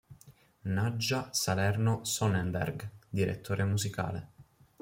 Nadja Salerno-Sonnenberg, Direttore musicale